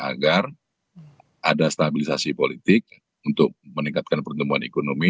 agar ada stabilisasi politik untuk meningkatkan pertumbuhan ekonomi